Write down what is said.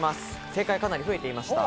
正解、かなり増えていました。